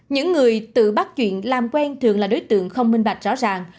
những người tự bắt chuyện làm quen thường là đối tượng không minh bạch rõ ràng